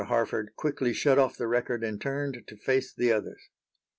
Harford quickly shut off the record and turned to face the others.